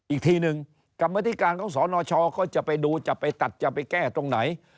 อีกทีหนึ่งกรรมธิการของสนชเขาจะไปดูจะไปตัดจะไปแก้ตรงไหน